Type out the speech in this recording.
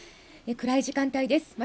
暗い時間帯です